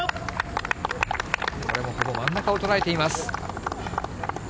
これもほぼ真ん中を捉えています。